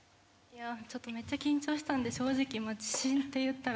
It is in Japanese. めっちゃ緊張したんで正直自信っていったら。